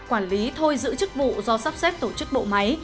quản lý thôi giữ chức vụ do sắp xếp tổ chức bộ máy